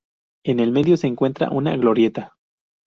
En el medio se encuentra una glorieta.